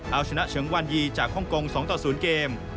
เอาชนะเฉิงวันยีจากฮ่องกง๒ต่อ๐เกม